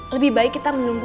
lebih baik kita menunggu